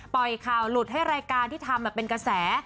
ปล่อยข่าวหลุดให้รายการที่ทำเป็นกระแส